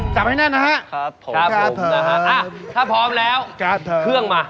จำให้แน่นนะฮะครับผมครับผมนะฮะถ้าพร้อมแล้วเครื่องมา